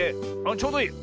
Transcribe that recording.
ちょうどいい。